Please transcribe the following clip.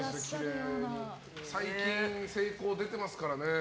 最近成功出てますからね。